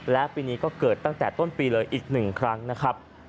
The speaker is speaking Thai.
และปีนี้ก็เกิดตั้งแต่ต้นปีเลยอีก๑ครั้งนะครับ